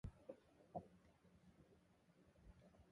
コルドバ県の県都はコルドバである